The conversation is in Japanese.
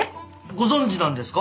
ご存じなんですか？